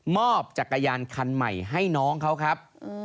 อบจักรยานคันใหม่ให้น้องเขาครับ